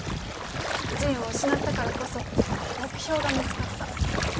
仁を失ったからこそ目標が見つかった。